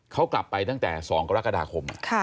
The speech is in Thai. เขากลับไปตั้งแต่๒กรกฎาคม